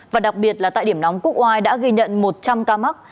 và đặc biệt là tại điểm nóng quốc oai đã ghi nhận một trăm linh ca mắc